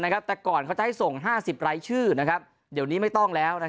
นะครับแต่ก่อนเขาจะให้ส่ง๕๐รายชื่อนะครับเดี๋ยวนี้ไม่ต้อง